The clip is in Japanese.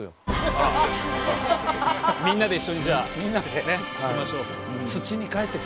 みんなで一緒にじゃあ行きましょう。